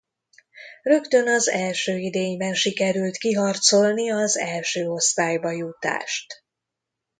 Rögtön az első idényben sikerült kiharcolni az első osztályba jutást.